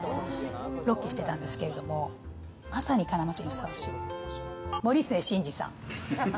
ロケしてたんですけども、まさに金町にふさわしい、森末慎二さん。